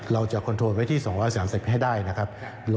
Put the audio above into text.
คอนโทรไปที่๒๓๐ให้ได้นะครับ